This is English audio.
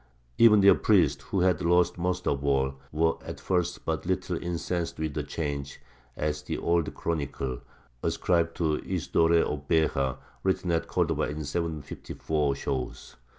Even their priests, who had lost most of all, were at first but little incensed with the change, as the old chronicle, ascribed to Isidore of Beja, written at Cordova in 754, shows.